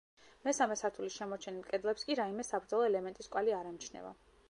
მესამე სართულის შემორჩენილ კედლებს კი რაიმე საბრძოლო ელემენტის კვალი არ ემჩნევა.